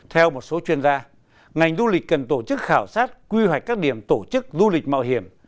theo một số chuyên gia ngành du lịch cần tổ chức khảo sát quy hoạch các điểm tổ chức du lịch mạo hiểm